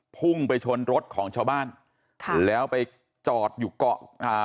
พุ่งไปชนรถของชาวบ้านค่ะแล้วไปจอดอยู่เกาะอ่า